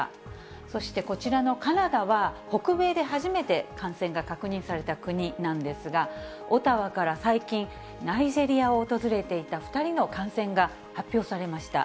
そしてこちらのカナダは、北米で初めて感染が確認された国なんですが、オタワから最近、ナイジェリアを訪れていた２人の感染が発表されました。